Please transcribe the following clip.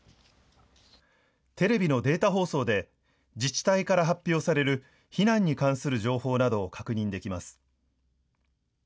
テレビのデータ放送で自治体から発表される避難に関する情報などを確認できます。